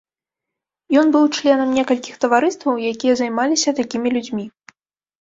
Ён быў членам некалькіх таварыстваў, якія займаліся такімі людзьмі.